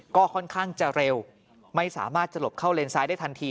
ก็ค่อนข้างจะเร็วไม่สามารถจะหลบเข้าเลนซ้ายได้ทันที